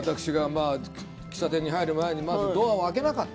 喫茶店に入る前に私がドアを開けなかった。